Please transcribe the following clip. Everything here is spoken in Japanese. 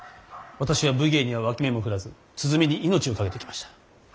私は武芸には脇目も振らず鼓に命を懸けてきました。